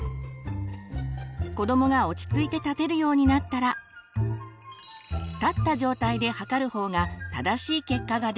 子どもが落ち着いて立てるようになったら立った状態で測る方が正しい結果が出ます。